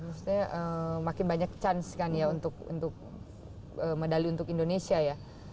maksudnya makin banyak chance kan ya untuk medali untuk indonesia ya